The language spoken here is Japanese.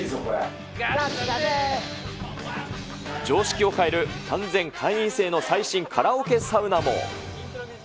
常識を変える完全会員制の最新カラオケサウナも。